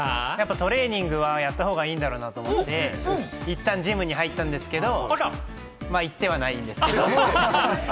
トレーニングはやった方がいいんだろうなと思って、ジムに入ったんですけど、行ってはないんですけれど。